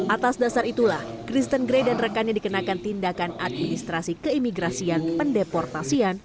atas dasar itulah kristen gray dan rekannya dikenakan tindakan administrasi keimigrasian pendeportasian